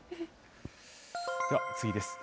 では次です。